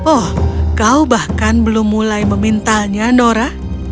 oh kau bahkan belum mulai memintalnya nora